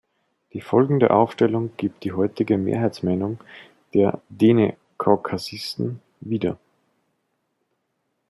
Die folgende Aufstellung gibt die heutige Mehrheitsmeinung der „Dene-Kaukasisten“ wieder.